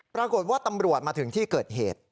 ปรากฏว่าตำรวจมาถึงที่เกิดเหตุ